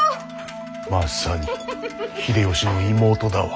まさに秀吉の妹だわ。